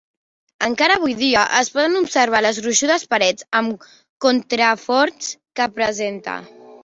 Encara avui dia es poden observar les gruixudes parets amb contraforts que presenta.